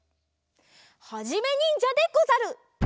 はじめにんじゃでござる！